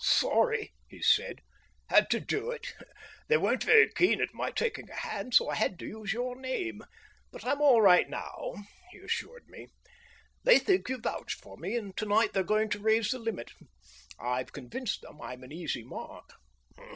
"Sorry," he said. "Had to do it. They weren't very keen at my taking a hand, so I had to use your name. But I'm all right now," he assured me. "They think you vouched for me, and to night they're going to raise the limit. I've convinced them I'm an easy mark."